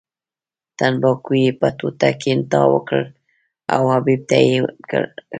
تنباکو یې په ټوټه کې تاو کړل او جېب ته یې کړل.